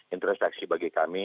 interseksi bagi kami